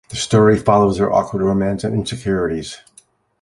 The story follows their awkward romance and insecurities.